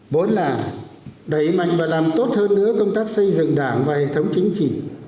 bốn là đẩy mạnh và làm tốt hơn nữa công tác xây dựng đảng và hệ thống chính trị